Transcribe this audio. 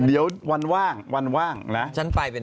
เดี๋ยววันหนึ่งก็ปั้นหนึ่งก็บุ๋มปั้นปั้นปั้น